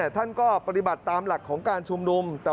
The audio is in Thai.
ท่านก็ปฏิบัติตามหลักของการชุมนุม